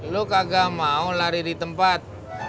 lo kagak mau lari di tempat